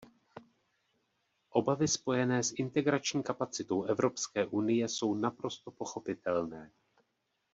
Obavy spojené s integrační kapacitou Evropské unie jsou naprosto pochopitelné.